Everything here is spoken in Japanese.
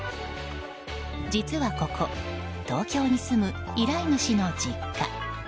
実はここ東京に住む依頼主の実家。